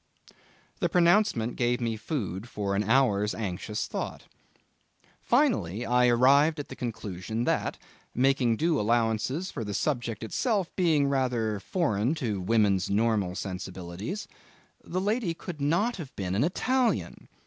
The pronouncement gave me food for an hour's anxious thought. Finally I arrived at the conclusion that, making due allowances for the subject itself being rather foreign to women's normal sensibilities, the lady could not have been an Italian.